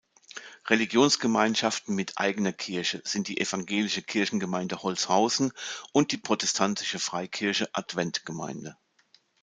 Religionsgemeinschaften mit eigener Kirche sind die evangelische Kirchengemeinde Holzhausen und die protestantische Freikirche "Adventgemeinde".